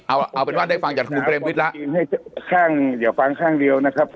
เอาเอาเป็นว่าได้ฟังจากคุณเปรมวิทย์แล้วข้างเดี๋ยวฟังข้างเดียวนะครับ